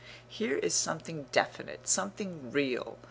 Here is something definite, something real.